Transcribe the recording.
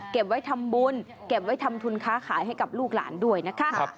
ไว้ทำบุญเก็บไว้ทำทุนค้าขายให้กับลูกหลานด้วยนะคะ